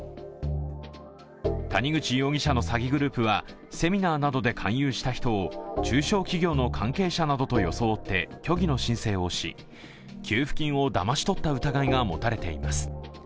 谷口容疑者の詐欺グループはセミナーなどで勧誘した人を、中小企業の関係者などと装って虚偽の申請をし、給付金をだまし取った疑いが持たれています。